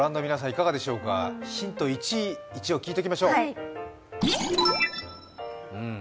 いかがでしょうかヒント１を聞いておきましょう。